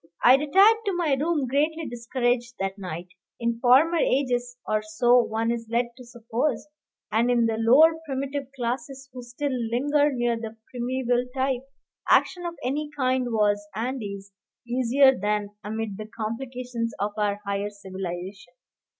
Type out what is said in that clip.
I retired to my room greatly discouraged that night. In former ages or so one is led to suppose and in the lower primitive classes who still linger near the primeval type, action of any kind was, and is, easier than amid the complication of our higher civilization.